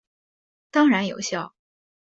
当然有效！